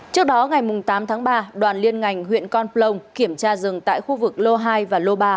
trước đó ngày tám tháng ba đoàn liên ngành huyện con plong kiểm tra rừng tại khu vực lô hai và lô ba